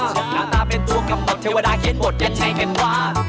หน้าตาเป็นตัวกับหมดเทวดาเขียนบทยังไงเป็นวาด